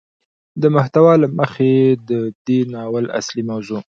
د محتوا له مخې ده دې ناول اصلي موضوع